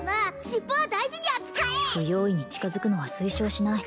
尻尾は大事に扱え不用意に近づくのは推奨しない